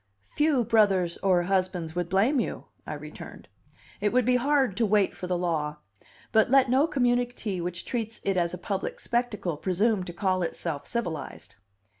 "Few brothers or husbands would blame you," I returned. "It would be hard to wait for the law. But let no community which treats it as a public spectacle presume to call itself civilized."